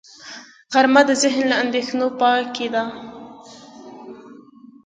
غرمه د ذهن له اندېښنو پاکي ده